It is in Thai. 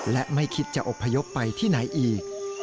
และไม่คิดจะอบพยพไปที่ไหนอีก